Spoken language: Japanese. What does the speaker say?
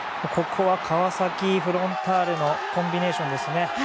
ここは川崎フロンターレのコンビネーションですね。